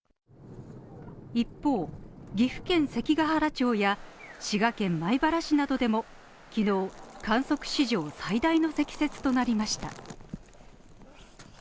一方、岐阜県関ケ原町や滋賀県米原市などでも昨日、観測史上最大の積雪となりました。